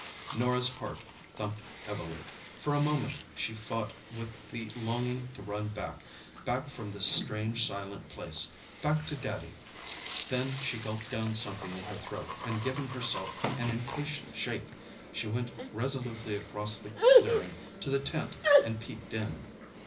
Norah's heart thumped heavily. For a moment she fought with the longing to run back—back from this strange, silent place—back to Daddy. Then she gulped down something in her throat, and giving herself an impatient shake, she went resolutely across the clearing to the tent and peeped in.